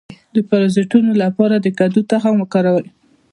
د پرازیتونو لپاره د کدو تخم وخورئ